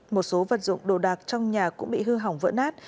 một số vật dụng đồ đạc trong nhà cũng bị hư hỏng vỡ nát